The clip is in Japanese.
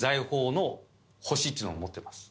ていうのを持ってます。